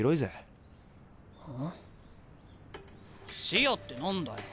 視野って何だよ。